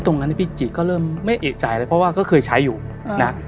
ตรงนั้นพี่จิก็เริ่มไม่เอกใจเลยเพราะว่าก็เคยใช้อยู่นะ